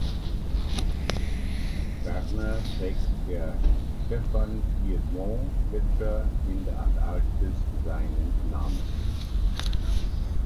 Ferner trägt der Stefan-Piedmont-Gletscher in der Antarktis seinen Namen.